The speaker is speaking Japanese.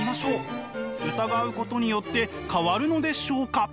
疑うことによって変わるのでしょうか。